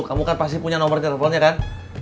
kamu kan pasti punya nomernya telponnya kan